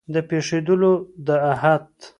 د پېښېدلو د احت